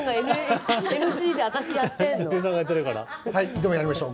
ではやりましょう。